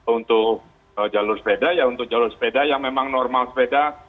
untuk jalur sepeda ya untuk jalur sepeda yang memang normal sepeda